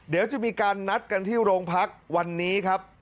เดี๋ยวจะมีการนัดกันที่โรงพักวันนี้ครับ